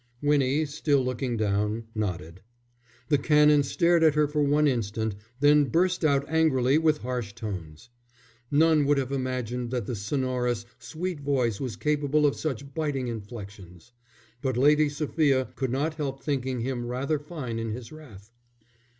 Winnie, still looking down, nodded. The Canon stared at her for one instant, then burst out angrily with harsh tones. None would have imagined that the sonorous, sweet voice was capable of such biting inflections. But Lady Sophia could not help thinking him rather fine in his wrath.